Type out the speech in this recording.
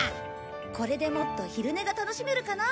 これでもっと昼寝が楽しめるかなと思って。